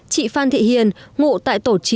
chị phan thị hiền ngụ tại tổ chí